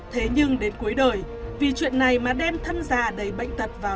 thế nhưng đến cuối đời vì chuyện này mà đem thân già đầy bệnh tật vào